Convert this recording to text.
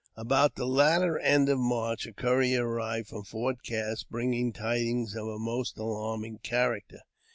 About the latter end of March a courier arrived from Fort Cass, bringing tidings of a most alarming character.